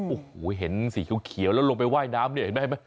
โอ้โหเห็นสีเขียวแล้วลงไปว่ายน้ำเนี่ยเห็นไหม